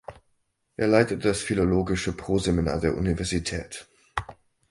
Er leitete das philologische Proseminar der Universität.